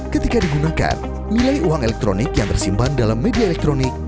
ketika digunakan nilai uang elektronik yang tersimpan dalam media elektronik